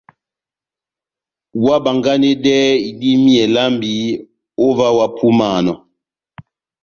Óhábánganedɛhɛ idímiyɛ lambi ó ová ohápúmanɔ !